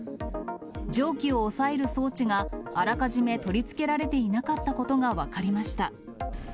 蒸気を抑える装置があらかじめ取り付けられていなかったことが分かりました。